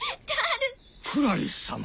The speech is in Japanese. クラリスさま！